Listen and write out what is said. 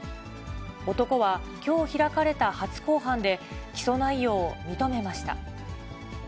男はきょう開かれた初公判で、起訴内容を認めました。